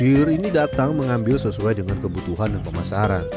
yang dimangingkan agar hawa panasnya hilang dan tidak terlalu panas